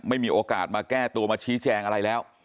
ไม่มีโอกาสมาแก้ตัวมาชี้แจงอะไรแล้ว